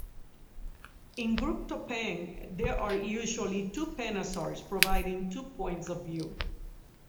In group topeng, there are usually two penasars providing two points of view.